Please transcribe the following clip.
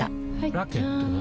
ラケットは？